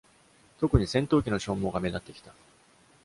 特に戦闘機の消耗が目立ってきた。